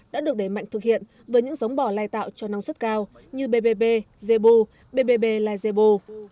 đã được đẩy mạnh thực hiện với những giống bò lai tạo cho năng suất cao như bbb zebu bbb la zebu